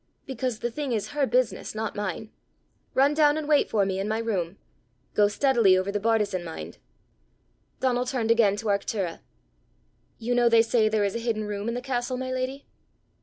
"Because the thing is her business, not mine. Run down and wait for me in my room. Go steadily over the bartizan, mind." Donal turned again to Arctura. "You know they say there is a hidden room in the castle, my lady?"